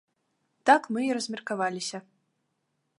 Так мы і размеркаваліся.